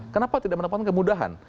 kenapa tidak mendapatkan kemudahan